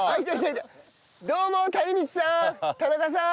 どうも谷道さん田中さん